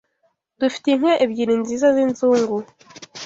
Dufite inka ebyiri nziza z’inzungu